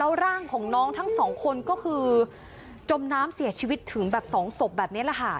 ร่างของน้องทั้งสองคนก็คือจมน้ำเสียชีวิตถึงแบบสองศพแบบนี้แหละค่ะ